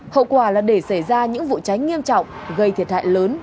hậu quả là để xảy ra những vụ cháy nghiêm trọng gây thiệt hại lớn